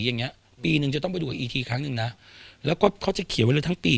ปีนึงนึงจะต้องไปดูอีทีครั้งนึงนะแล้วก็เขาจะเขียนไว้เลยทั้งปี